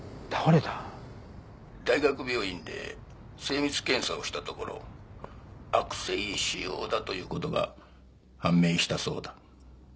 「大学病院で精密検査をしたところ悪性腫瘍だという事が判明したそうだ」